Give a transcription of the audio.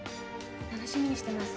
楽しみにしてます。